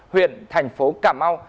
huyện thành phố cà mau